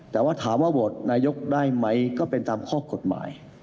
แต่ว่าถามว่าโหวตนายกได้ไหมก็เป็นตามข้อกฎหมาย